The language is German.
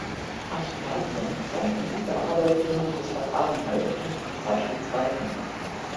Archivalien von und über Adolf Johann Gustav Arenhold finden sich beispielsweise